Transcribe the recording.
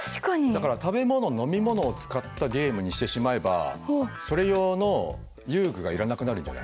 だから食べ物飲み物を使ったゲームにしてしまえばそれ用の遊具がいらなくなるんじゃない？